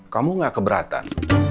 kamu gak keberatan